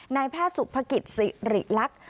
ในแพทย์สุขภกิจศิริรักษ์